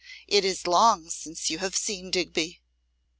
It is long since you have seen Digby.